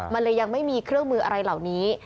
มันเลยยังไม่มีเครื่องมืออะไรเหล่านี้